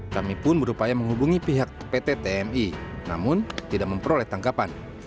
kami pun berupaya menghubungi pihak pt tmi namun tidak memperoleh tangkapan